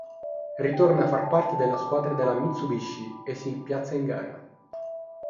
Ritorna a far parte della squadra della Mitsubishi e si piazza in gara.